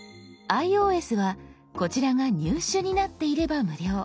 ｉＯＳはこちらが「入手」になっていれば無料。